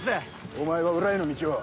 お前は裏への道を。